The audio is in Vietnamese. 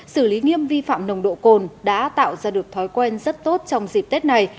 xử lý nghiêm vi phạm nồng độ cồn đã tạo ra được thói quen rất tốt trong dịp tết này